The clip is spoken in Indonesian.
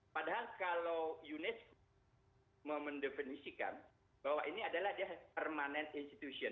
padahal kalau unesco memendefinisikan bahwa ini adalah permanet institution